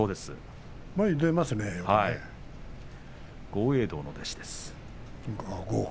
豪栄道の弟子です。